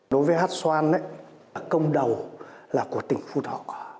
đối với hát xoan công đầu là của tỉnh phú thọ